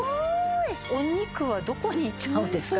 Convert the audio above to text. っお肉はどこにいっちゃうんですか？